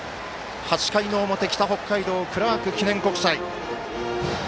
８回の表、北北海道クラーク記念国際。